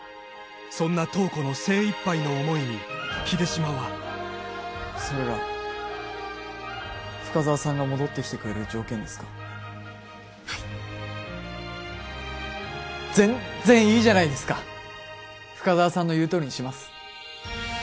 そんな塔子の精いっぱいの思いに秀島はそれが深沢さんが戻ってきてくれる条件ですかはい全然いいじゃないですか深沢さんの言うとおりにします